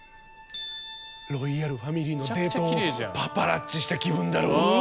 ロイヤルファミリーのデートをパパラッチした気分だろ？